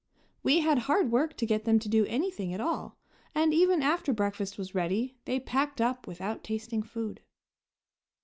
We had hard work to get them to do anything at all, and even after breakfast was ready they packed up without tasting food.